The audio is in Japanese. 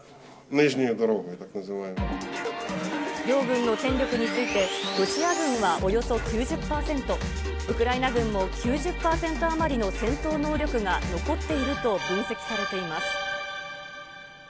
両軍の戦力について、ロシア軍はおよそ９０％、ウクライナ軍も９０％余りの戦闘能力が残っていると分析されています。